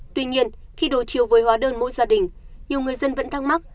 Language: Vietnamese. tuy nhiên khi đổi chiều với hóa đơn mỗi gia đình nhiều người dân vẫn thắc mắc